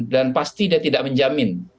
dan pasti dia tidak menjamin